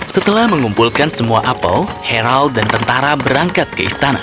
setelah mengumpulkan semua apel heral dan tentara berangkat ke istana